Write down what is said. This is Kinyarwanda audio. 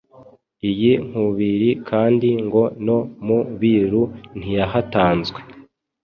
Iyi nkubiri kandi ngo no mu Biru ntiyahatanzwe